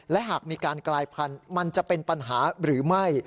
และหากมีการกลายพันธุ์มันจะเป็นปัญหาหรือไม่